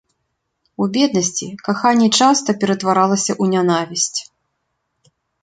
У беднасці каханне часта ператваралася ў нянавісць.